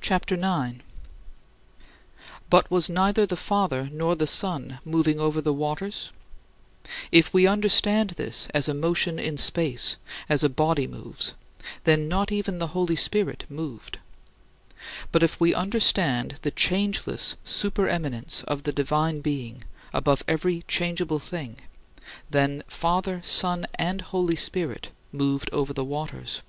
CHAPTER IX 10. But was neither the Father nor the Son "moving over the waters"? If we understand this as a motion in space, as a body moves, then not even the Holy Spirit "moved." But if we understand the changeless supereminence of the divine Being above every changeable thing, then Father, Son, and Holy Spirit "moved over the waters."